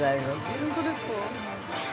◆本当ですか。